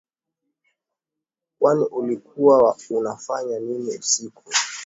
Kwani ulikuwa unafanya nini usiku